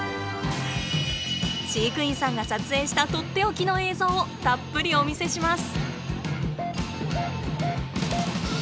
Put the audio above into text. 飼育員さんが撮影したとっておきの映像をたっぷりお見せします！